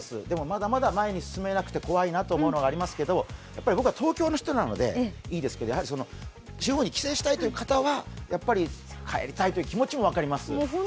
まだまだ前に進めなくて怖いなと思うところはありますけど僕は東京の人なのでいいですけど、地方に帰省したいという方は帰りたいという気持ちも分かります。